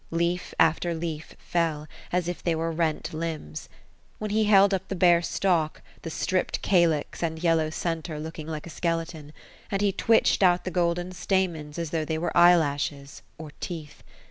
Leaf after leaf fell, as if they were rent limbs. When he held up the bare stalk, the stripped calyx and yellow centre looked like a skeleton ; and he twitched out the golden stamens, as though they were eyelashes, or teeth.